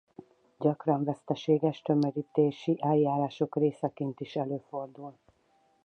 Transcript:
Gyakran veszteséges tömörítési eljárások részeként is előfordul.